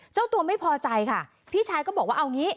เจ้าตัวไม่พอใจค่ะพี่ชายก็บอกว่าเอางี้